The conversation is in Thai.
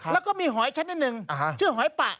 แล้วก็มีหอยชนิดหนึ่งชื่อหอยปะ